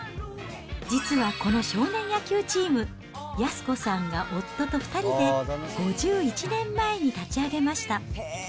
実はこの少年野球チーム、安子さんが夫と２人で、５１年前に立ち上げました。